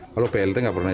kalau plt enggak pernah ya